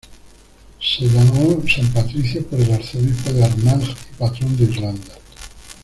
Se llamó San Patricio, por el Arzobispo de Armagh y patrón de Irlanda.